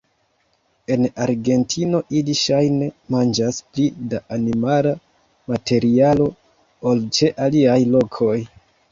En Argentino ili ŝajne manĝas pli da animala materialo ol ĉe aliaj lokoj.